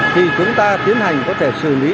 thì chúng ta tiến hành có thể xử lý